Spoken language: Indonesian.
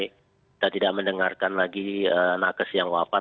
kita tidak mendengarkan lagi nakes yang wafat